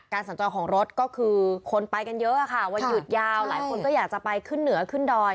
สัญจรของรถก็คือคนไปกันเยอะค่ะวันหยุดยาวหลายคนก็อยากจะไปขึ้นเหนือขึ้นดอย